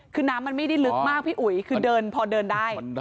คือน้ำมันไม่ได้ลึกมากพี่อุ๋ยคือเดินพอเดินได้